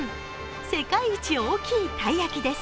世界一大きいたい焼きです。